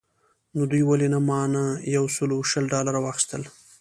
نو دوی ولې مانه یو سل او شل ډالره واخیستل.